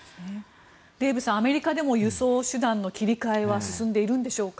デーブさん、アメリカでも輸送手段の切り替えは進んでいるんでしょうか？